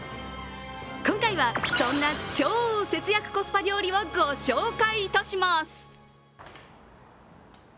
今回はそんな超節約コスパ料理をご紹介いたします。